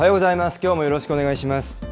きょうもよろしくお願いします。